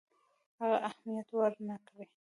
هغه اهمیت ورنه کړي.